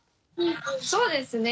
そうですね。